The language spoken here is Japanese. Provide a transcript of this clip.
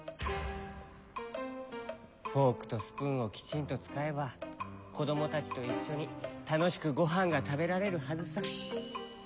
フォークとスプーンをきちんとつかえばこどもたちといっしょにたのしくごはんがたべられるはずさ。